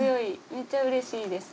めっちゃうれしいです。